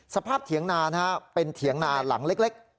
สภาพเถียงหนานะฮะเป็นเถียงหนาหลังเล็ก